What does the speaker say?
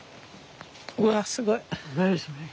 うわすごい。